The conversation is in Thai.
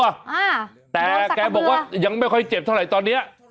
อ่าแต่แกบอกว่ายังไม่ค่อยเจ็บเท่าไหร่ตอนเนี้ย